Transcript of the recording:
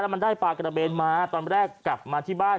มันได้ปลากระเบนมาตอนแรกกลับมาที่บ้าน